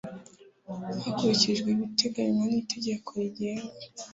hakurikijwe ibiteganywan itegeko rigenga